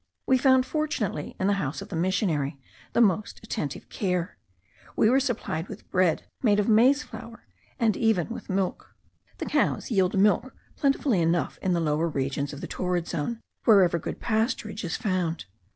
We found, fortunately, in the house of the missionary, the most attentive care; we were supplied with bread made of maize flour, and even with milk. The cows yield milk plentifully enough in the lower regions of the torrid zone, wherever good pasturage is found.